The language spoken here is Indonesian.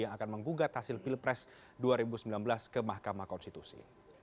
yang akan menggugat hasil pilpres dua ribu sembilan belas ke mahkamah konstitusi